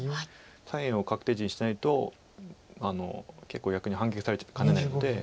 左辺を確定地にしないと結構逆に反撃されかねないので。